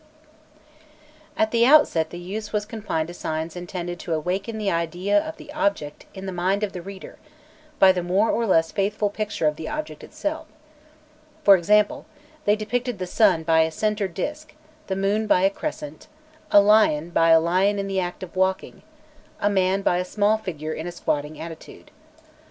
[Illustration: 316.jpg PAGE IMAGE] At the outset the use was confined to signs intended to awaken the idea of the object in the mind of the reader by the more or less faithful picture of the object itself; for example, they depicted the sun by a centred disc, the moon by a crescent, a lion by a lion in the act of walking, a man by a small figure in a squatting attitude.